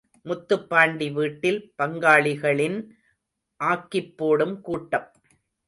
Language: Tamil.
முத்துப்பாண்டி வீட்டில், பங்காளிகளின் ஆக்கிப் போடும் கூட்டம்.